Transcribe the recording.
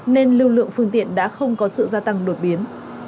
nên lưu lượng phương tiện đã không có sự gia tăng đột biến